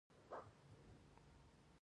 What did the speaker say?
افغانستان ته نړيوالې مرستې کمې شوې دي